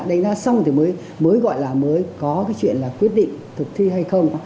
đánh giá xong thì mới mới gọi là mới có cái chuyện là quyết định thực thi hay không